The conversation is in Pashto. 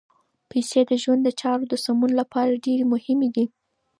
پیسې د ژوند د چارو د سمون لپاره ډېرې مهمې دي.